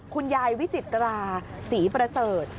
คุณยายวิจิตราศรีประเสริฐ